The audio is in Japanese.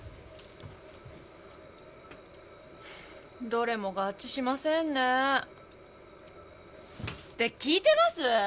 どれも合致しませんね。って聞いてます？